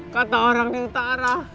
kata orang di utara